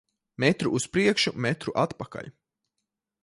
Metru uz priekšu, metru atpakaļ.